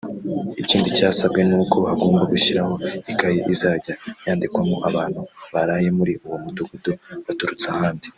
Ikindi cyasabwe ni uko hagomba gushyiraho ikayi izajya yandikwamo abantu baraye muri uwo Mudugudu baturutse ahandi